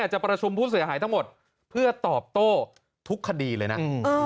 จะประชุมผู้เสียหายทั้งหมดเพื่อตอบโต้ทุกคดีเลยนะ